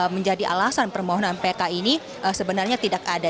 menjadi alasan permohonan pk ini sebenarnya tidak ada